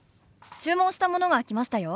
注文したものが来ましたよ。